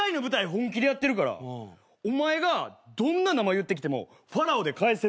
本気でやってるからお前がどんな「生」言ってきても「ファラオ」で返せるから。